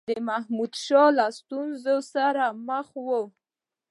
د محمودشاه له ستونزي سره مخامخ وو.